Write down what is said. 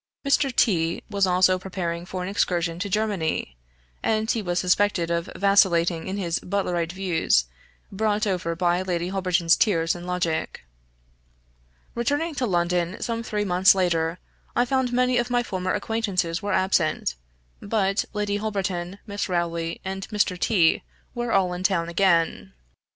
Mr. T was also preparing for an excursion to Germany; and he was suspected of vacillating in his Butlerite views, brought over by Lady Holberton's tears and logic. Returning to London, some three months later, I found many of my former acquaintances were absent; but Lady Holberton, Miss Rowley, and Mr. T were all in town again.